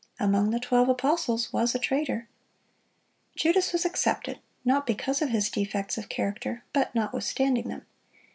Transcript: Among the twelve apostles was a traitor. Judas was accepted, not because of his defects of character, but notwithstanding them.